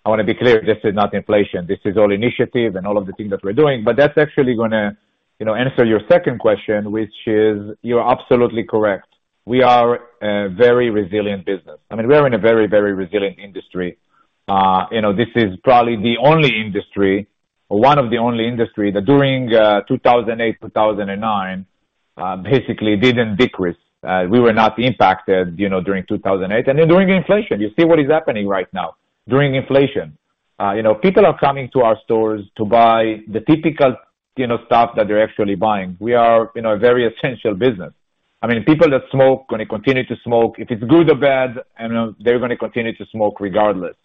I wanna be clear, this is not inflation. This is all initiative and all of the things that we're doing. That's actually gonna, you know, answer your second question, which is, you're absolutely correct. We are a very resilient business. I mean, we're in a very resilient industry. You know, this is probably the only industry or one of the only industry that during 2008, 2009. Basically didn't decrease. We were not impacted, you know, during 2008 and then during inflation. You see what is happening right now during inflation. You know, people are coming to our stores to buy the typical, you know, stuff that they're actually buying. We are, you know, a very essential business. I mean, people that smoke gonna continue to smoke. If it's good or bad, I know they're gonna continue to smoke regardless.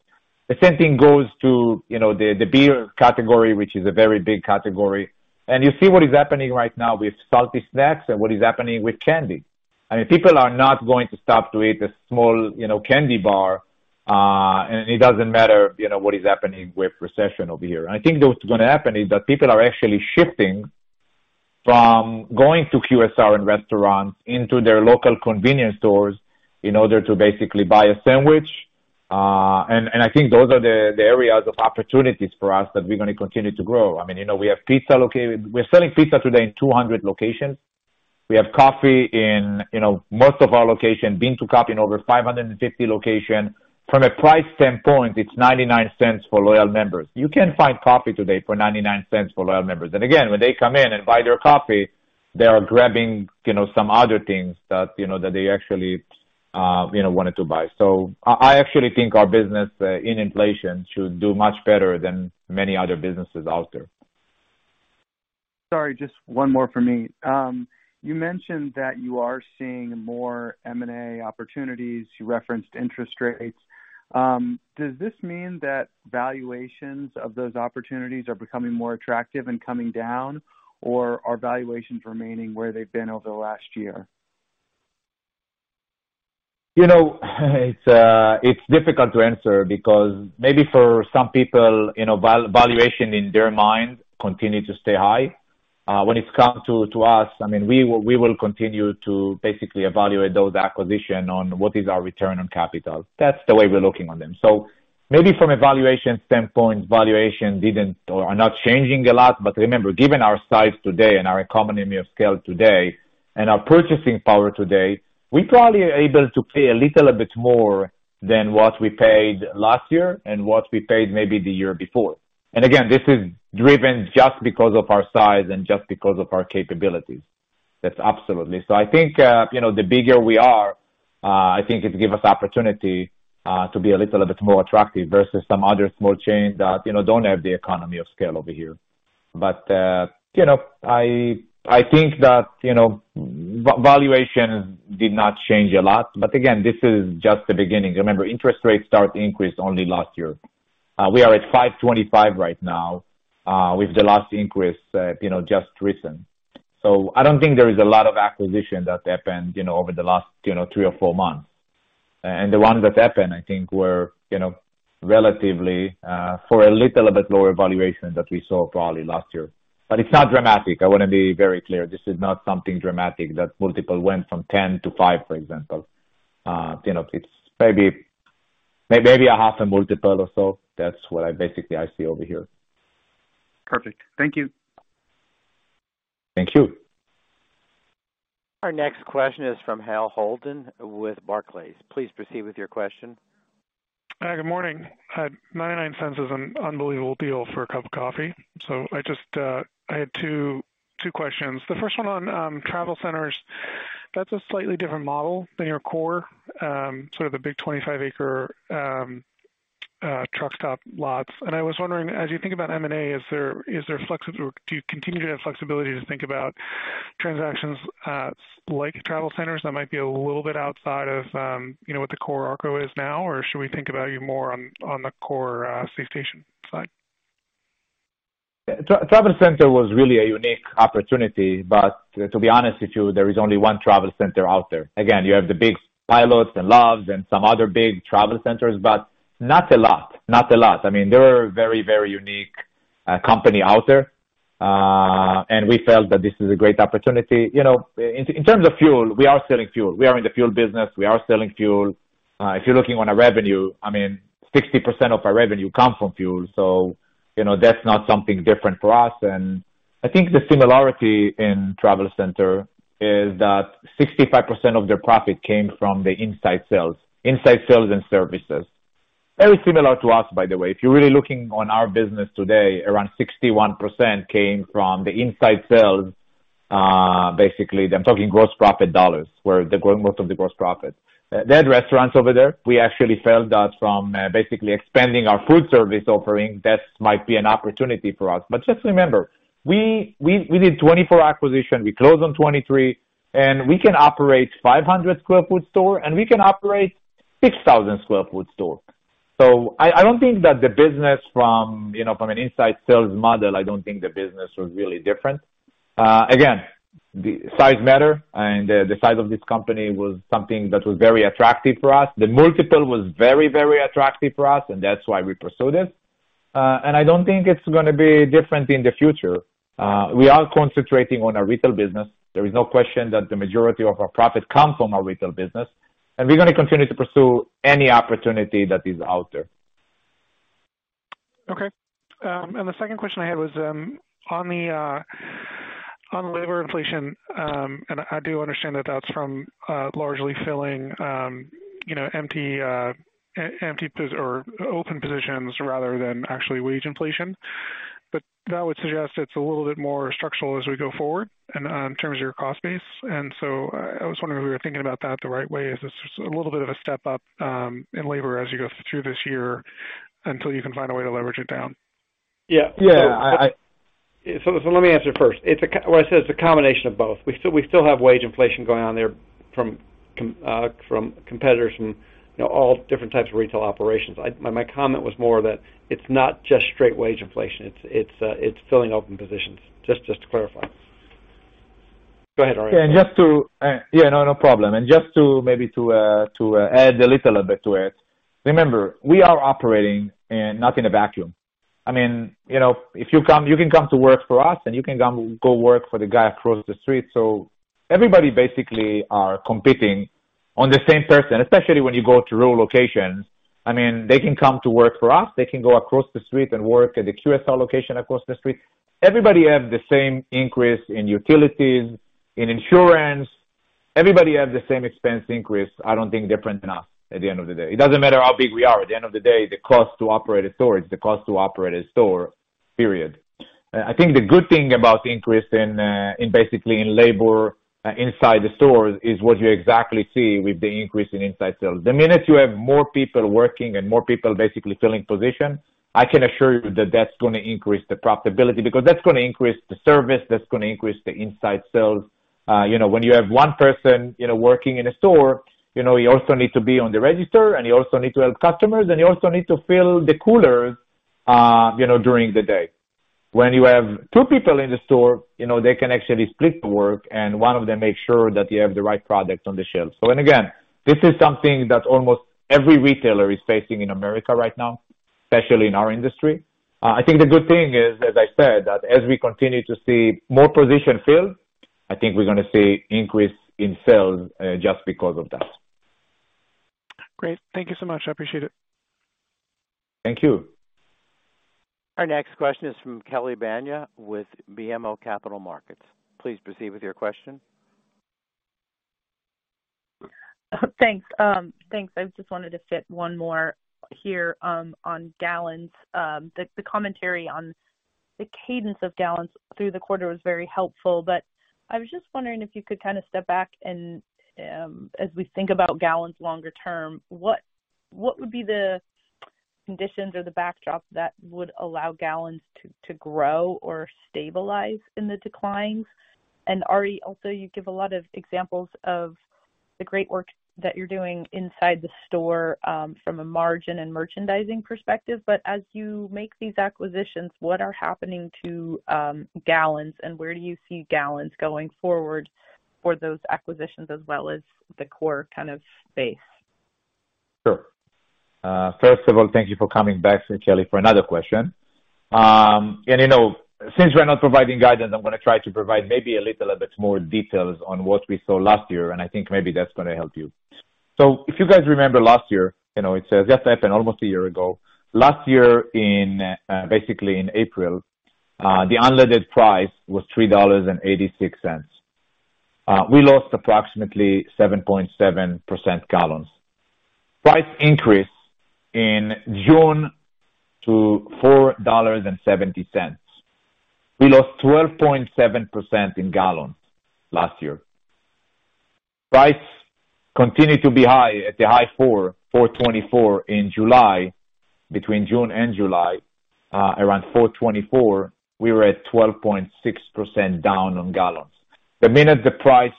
The same thing goes to, you know, the beer category, which is a very big category. You see what is happening right now with salty snacks and what is happening with candy. I mean, people are not going to stop to eat a small, you know, candy bar. It doesn't matter, you know, what is happening with recession over here. I think what's gonna happen is that people are actually shifting from going to QSR and restaurants into their local convenience stores in order to basically buy a sandwich. I think those are the areas of opportunities for us that we're gonna continue to grow. I mean, you know, we have pizza located... We're selling pizza today in 200 locations. We have coffee in, you know, most of our locations, bean to cup coffee in over 550 locations. From a price standpoint, it's $0.99 for loyal members. You can find coffee today for $0.99 for loyal members. Again, when they come in and buy their coffee, they are grabbing, you know, some other things that, you know, that they actually, you know, wanted to buy. I actually think our business, in inflation should do much better than many other businesses out there. Sorry, just one more from me. You mentioned that you are seeing more M&A opportunities. You referenced interest rates. Does this mean that valuations of those opportunities are becoming more attractive and coming down, or are valuations remaining where they've been over the last year? You know, it's difficult to answer because maybe for some people, you know, valuation in their mind continue to stay high. When it comes to us, I mean, we will continue to basically evaluate those acquisition on what is our return on capital. That's the way we're looking on them. Maybe from a valuation standpoint, valuation didn't or are not changing a lot. Remember, given our size today and our economy of scale today and our purchasing power today, we probably are able to pay a little bit more than what we paid last year and what we paid maybe the year before. Again, this is driven just because of our size and just because of our capabilities. That's absolutely. I think, you know, the bigger we are, I think it give us opportunity, to be a little bit more attractive versus some other small chain that, you know, don't have the economy of scale over here. You know, I think that, you know, valuation did not change a lot. Again, this is just the beginning. Remember, interest rates start to increase only last year. We are at 5.25 right now, with the last increase, you know, just recent. I don't think there is a lot of acquisition that happened, you know, over the last, you know, three or four months. The ones that happened, I think were, you know, relatively, for a little bit lower valuation that we saw probably last year. It's not dramatic. I wanna be very clear. This is not something dramatic that multiple went from 10 to five, for example. you know, it's maybe a half a multiple or so. That's what I basically I see over here. Perfect. Thank you. Thank you. Our next question is from Hale Holden with Barclays. Please proceed with your question. Good morning. 99 cents is an unbelievable deal for a cup of coffee. I had two questions. The first one on travel centers. That's a slightly different model than your core, sort of the big 25 acre truck stop lots. I was wondering, as you think about M&A, is there or do you continue to have flexibility to think about transactions like travel centers that might be a little bit outside of, you know, what the core ARKO is now, or should we think about you more on the core safe station side? Travel center was really a unique opportunity, to be honest with you, there is only one travel center out there. Again, you have the big Pilots and Loves and some other big travel centers, but not a lot. I mean, they're a very unique company out there. We felt that this is a great opportunity. You know, in terms of fuel, we are selling fuel. We are in the fuel business. We are selling fuel. If you're looking on our revenue, I mean, 60% of our revenue come from fuel. You know, that's not something different for us. I think the similarity in travel center is that 65% of their profit came from the inside sales and services. Very similar to us, by the way. If you're really looking on our business today, around 61% came from the inside sales. Basically, I'm talking gross profit dollars, where most of the gross profit. They had restaurants over there. We actually felt that from, basically expanding our food service offering, that might be an opportunity for us. Just remember, we did 24 acquisition, we closed on 23, and we can operate 500 sq ft store, and we can operate 6,000 sq ft store. I don't think that the business from, you know, from an inside sales model, I don't think the business was really different. Again, the size matter and the size of this company was something that was very attractive for us. The multiple was very attractive for us, that's why we pursued it. I don't think it's gonna be different in the future. We are concentrating on our retail business. There is no question that the majority of our profit comes from our retail business, and we're gonna continue to pursue any opportunity that is out there. Okay. The second question I had was on the on labor inflation, and I do understand that that's from largely filling, you know, empty or open positions rather than actually wage inflation. That would suggest it's a little bit more structural as we go forward in terms of your cost base. I was wondering if we were thinking about that the right way. Is this a little bit of a step up in labor as you go through this year until you can find a way to leverage it down? Yeah. Yeah. Let me answer first. Well, I said it's a combination of both. We still have wage inflation going on there from competitors from, you know, all different types of retail operations. My comment was more that it's not just straight wage inflation, it's filling open positions. Just to clarify. Go ahead, Arie. Yeah, no problem. maybe to add a little bit to it. Remember, we are operating, and not in a vacuum. I mean, you know, You can come to work for us, and you can come go work for the guy across the street. Everybody basically are competing on the same person, especially when you go to rural locations. I mean, they can come to work for us. They can go across the street and work at the QSR location across the street. Everybody have the same increase in utilities, in insurance. Everybody have the same expense increase. I don't think different enough at the end of the day. It doesn't matter how big we are. At the end of the day, the cost to operate a store is the cost to operate a store, period. I think the good thing about the increase in basically in labor inside the stores is what you exactly see with the increase in inside sales. The minute you have more people working and more people basically filling positions, I can assure you that that's gonna increase the profitability, because that's gonna increase the service, that's gonna increase the inside sales. You know, when you have one person, you know, working in a store, you know, you also need to be on the register, and you also need to help customers, and you also need to fill the coolers, you know, during the day. When you have two people in the store, you know, they can actually split the work and one of them makes sure that you have the right product on the shelves. Again, this is something that almost every retailer is facing in America right now, especially in our industry. I think the good thing is, as I said, that as we continue to see more positions filled, I think we're gonna see increase in sales, just because of that. Great. Thank you so much. I appreciate it. Thank you. Our next question is from Kelly Bania with BMO Capital Markets. Please proceed with your question. Thanks. Thanks. I just wanted to fit one more here, on gallons. The, the commentary on the cadence of gallons through the quarter was very helpful, but I was just wondering if you could kind of step back and, as we think about gallons longer term, what would be the conditions or the backdrop that would allow gallons to grow or stabilize in the declines? And Arie, also, you give a lot of examples of the great work that you're doing inside the store, from a margin and merchandising perspective. But as you make these acquisitions, what are happening to, gallons, and where do you see gallons going forward for those acquisitions as well as the core kind of space? Sure. First of all, thank you for coming back, Kelly, for another question. You know, since we're not providing guidance, I'm gonna try to provide maybe a little bit more details on what we saw last year, and I think maybe that's gonna help you. If you guys remember last year, you know, it says happened almost a year ago. Last year in, basically in April, the unleaded price was $3.86. We lost approximately 7.7% gallons. Price increase in June to $4.70. We lost 12.7% in gallons last year. Price continued to be high at the high four, $4.24 in July. Between June and July, around $4.24, we were at 12.6% down on gallons. The minute the price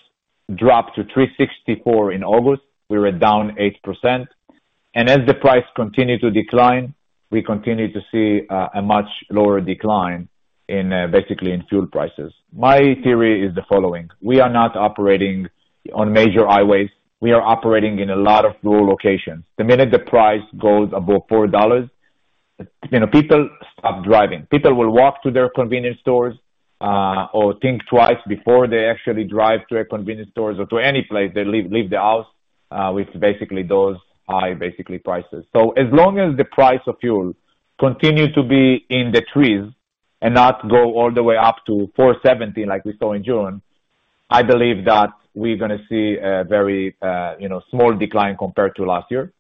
dropped to $3.64 in August, we were down 8%. As the price continued to decline, we continued to see a much lower decline in basically in fuel prices. My theory is the following: We are not operating on major highways. We are operating in a lot of rural locations. The minute the price goes above $4, you know, people stop driving. People will walk to their convenience stores, or think twice before they actually drive to a convenience stores or to any place they leave the house with basically those high prices. As long as the price of fuel continue to be in the $3 and not go all the way up to $4.70 like we saw in June, I believe that we're gonna see a very, you know, small decline compared to last year.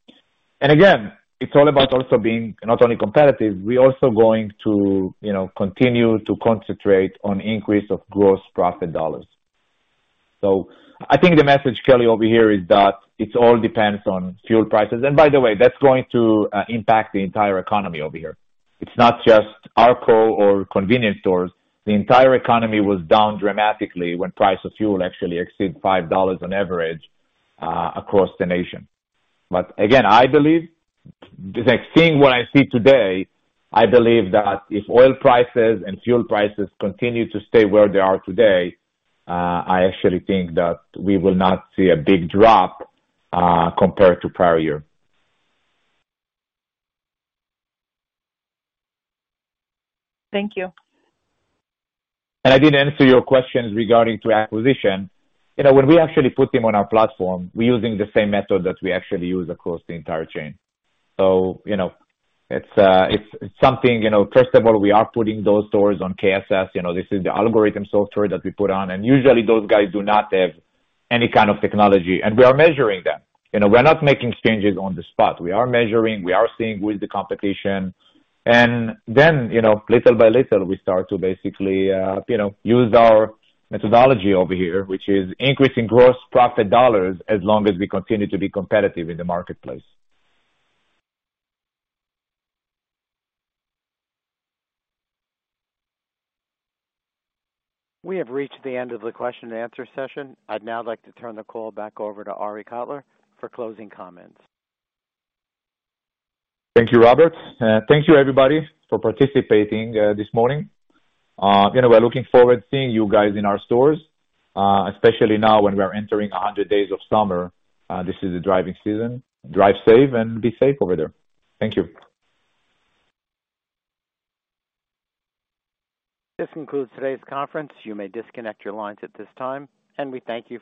Again, it's all about also being not only competitive, we're also going to, you know, continue to concentrate on increase of gross profit dollars. I think the message, Kelly, over here is that it all depends on fuel prices. By the way, that's going to impact the entire economy over here. It's not just ARKO or convenience stores. The entire economy was down dramatically when price of fuel actually exceeded $5 on average, across the nation. Again, I believe, just like seeing what I see today, I believe that if oil prices and fuel prices continue to stay where they are today, I actually think that we will not see a big drop, compared to prior year. Thank you. I didn't answer your questions regarding to acquisition. You know, when we actually put them on our platform, we're using the same method that we actually use across the entire chain. You know, it's something, you know. First of all, we are putting those stores on KSS. You know, this is the algorithm software that we put on. Usually those guys do not have any kind of technology, and we are measuring them. You know, we're not making changes on the spot. We are measuring, we are seeing with the competition. You know, little by little, we start to basically, you know, use our methodology over here, which is increasing gross profit dollars as long as we continue to be competitive in the marketplace. We have reached the end of the question and answer session. I'd now like to turn the call back over to Arie Kotler for closing comments. Thank you, Robert. Thank you everybody for participating this morning. You know, we're looking forward to seeing you guys in our stores, especially now when we are entering 100 days of summer. This is the driving season. Drive safe and be safe over there. Thank you. This concludes today's conference. You may disconnect your lines at this time, and we thank you for your participation.